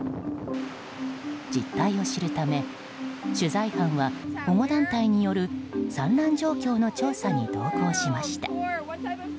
実態を知るため取材班は保護団体による産卵状況の調査に同行しました。